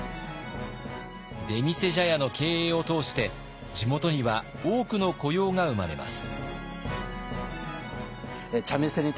出店茶屋の経営を通して地元には多くの雇用が生まれます。